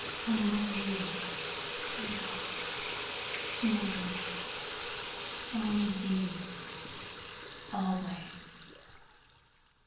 "Only you sweetheart," she murmured; "only you always."